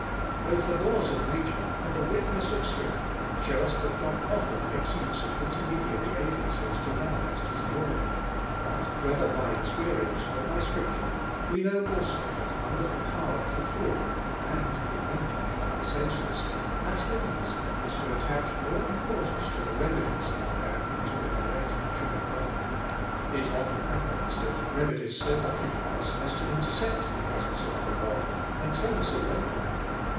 Both the laws of nature and the wit ness of Scripture show us Mmt (hhI ofn u makes use of intermediary agencies to manifest Bis glory, bui whether by ex^ pi vise healths. 177 perience or by Scripture, we know also that umler the power of the fall, and the empire of oar senses, our tendency is to attach more importance to the remedies lhan to the direct action of God. It often happens that remedies so occupy ua ;ih to in i L i ■■)■!■] ii I In presence of our Cod and turn us away from Oim.